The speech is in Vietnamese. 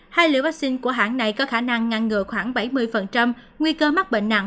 hai liều vaccine của hãng này có khả năng ngăn ngừa khoảng bảy mươi nguy cơ mắc bệnh nặng